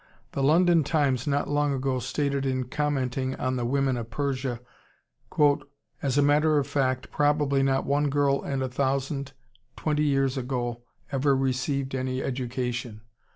The London Times not long ago stated in commenting on the women of Persia, "As a matter of fact, probably not one girl in a thousand twenty years ago ever received any education.